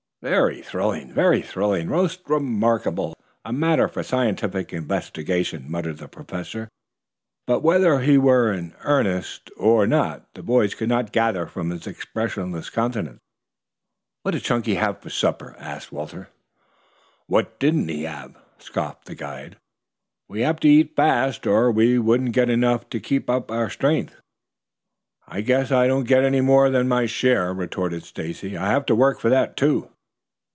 "Very thrilling, very thrilling. Most remarkable. A matter for scientific investigation," muttered the Professor, but whether he were in earnest or not the boys could not gather from his expressionless countenance. "What did Chunky have for supper?" asked Walter. "What didn't he have?" scoffed the guide. "We have to eat fast or we wouldn't get enough to keep up our strength." "I guess I don't get any more than my share," retorted Stacy. "I have to work for that, too."